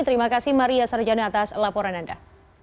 terima kasih maria sarjana atas laporan anda